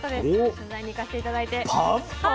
取材に行かせて頂いて。